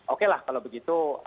oke lah kalau begitu